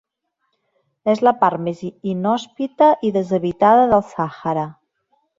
És la part més inhòspita i deshabitada del Sàhara.